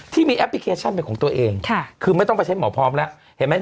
ที่มีแอปพลิเคชันเป็นของตัวเองคือไม่ต้องไปใช้หมอพร้อมแล้วเห็นไหม